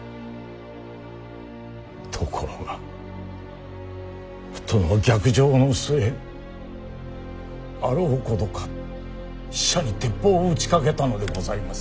ところが殿は逆上の末あろうことか使者に鉄砲を撃ちかけたのでございます。